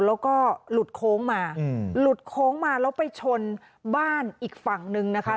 แล้วก็หลุดโค้งมาหลุดโค้งมาแล้วไปชนบ้านอีกฝั่งนึงนะคะ